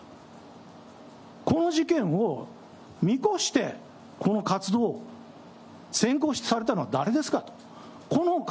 この事件を見越して、この活動をせんこうされたのは誰ですか。